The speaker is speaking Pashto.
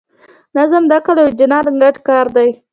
نظم د عقل او وجدان ګډ کار دی.